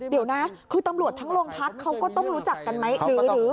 เดี๋ยวนะคือตำรวจทั้งโรงพักเขาก็ต้องรู้จักกันไหม